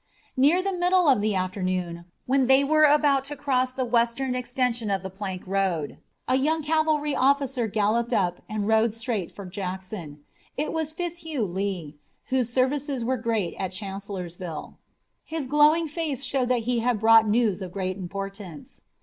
Near the middle of the afternoon, when they were about to cross the western extension of the plank road, a young cavalry officer galloped up and rode straight for Jackson. It was Fitzhugh Lee, whose services were great at Chancellorsville. His glowing face showed that he brought news of great importance.